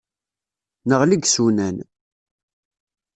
Neɣli deg yisunan.